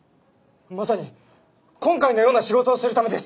まさに今回のような仕事をするためです。